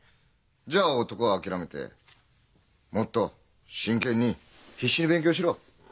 じゃあ男は諦めてもっと真剣に必死に勉強しろ。